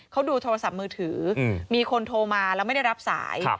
เขาดูโทรศัพท์มือถือมีคนโทรมาแล้วไม่ได้รับสาย